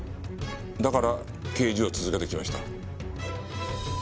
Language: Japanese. だから刑事を続けてきました。